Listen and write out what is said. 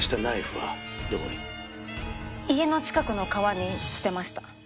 「家の近くの川に捨てました」